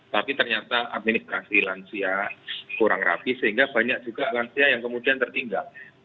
tapi ternyata administrasi lansia kurang rapi sehingga banyak juga lansia yang kemudian tertinggal